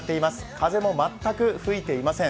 風も全く吹いていません。